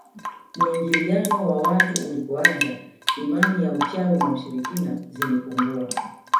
Muingiliano wa watu ulipoanza imani ya uchawi na ushirikina zilipungua